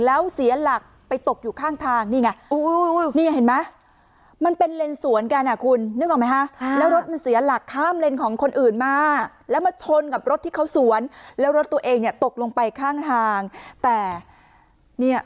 แล้วเสียหลักไปตกอยู่ข้างทางดูนี่ไง